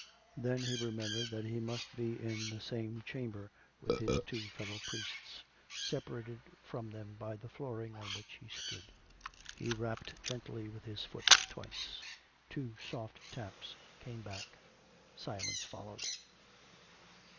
Then he remembered that he must be in the same cham ber with his two fellow priests, separated from them by the flooring on which he stood. He rapped gently with his foot twice. Two soft taps came back. Silence followed.